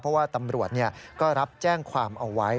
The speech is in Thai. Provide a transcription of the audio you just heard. เพราะว่าตำรวจก็รับแจ้งความเอาไว้